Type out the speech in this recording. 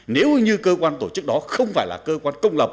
nếu như cơ quan tổ chức đó không phải là cơ quan công lập